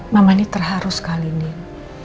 mama ini terharu sekali nih